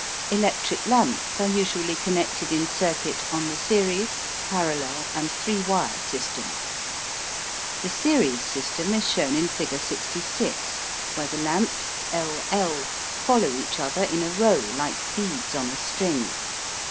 Electric lamps are usually connected in circuit on the series, parallel, and three wire system. The series system is shown in figure 66, where the lamps L L follow each other in a row like beads on a string.